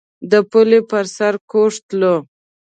د پولې پر سر کوږ تلو.